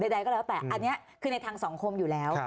ใดก็แล้วแต่อันนี้คือในทางสังคมอยู่แล้ว